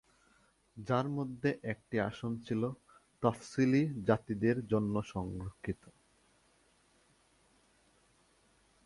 যার মধ্যে একটি আসন ছিল তফসিলি জাতিদের জন্য সংরক্ষিত।